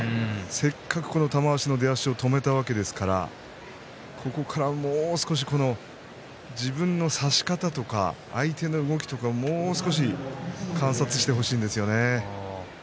せっかく玉鷲の出足を止めたわけですからここからもう少し自分の差し方とか相手の動きとか観察してほしいんですよね。